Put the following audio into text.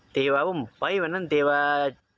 ที่ว่าผมไปวันนั้นที่ว่า